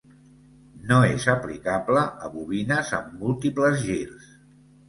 No és aplicable a bobines amb múltiples girs.